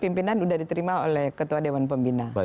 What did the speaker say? pimpinan sudah diterima oleh ketua dewan pembina